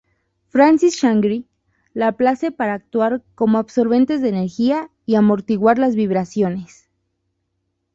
Francis Shangri-La Place para actuar como absorbentes de energía y amortiguar las vibraciones.